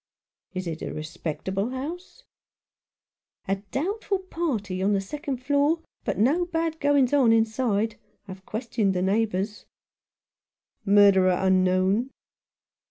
"Is it a respectable house ?"" A doubtful party on the second floor, but no bad goings on inside. I've questioned the neighbours." " Murderer unknown